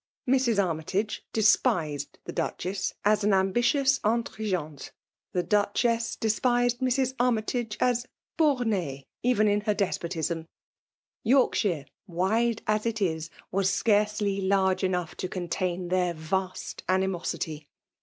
Mrs. Armytage de spised the Duchess as an ambitious infrigante ; the Duchess despised Mrs. Armytage as&orti^^ even in her despotism. Yorkshire, wide as it i6> was scarcely large enough to contain their vast animosity